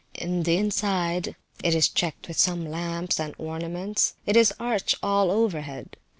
In the inside it is decked with some lamps, and ornaments. It is arched all over head.